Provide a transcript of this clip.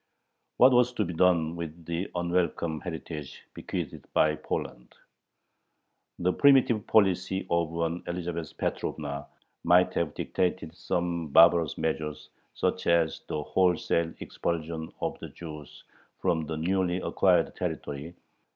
What was to be done with the unwelcome heritage bequeathed by Poland? The primitive policy of an Elizabeth Petrovna might have dictated some barbarous measure, such as the wholesale expulsion of the Jews from the newly acquired territory.